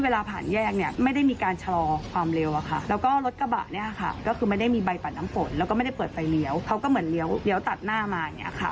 แล้วก็ไม่ได้เปิดไฟเรียวเขาก็เหมือนเรียวตัดหน้ามาเนี่ยค่ะ